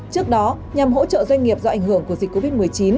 trước đó nhằm hỗ trợ doanh nghiệp do ảnh hưởng của dịch covid một mươi chín